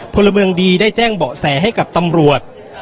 พลเมืองดีได้แจ้งเบาะแสให้กับตำรวจ